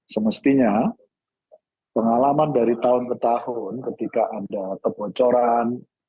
semestinya pengalaman dari tahun ke tahun ketika anda terbocoran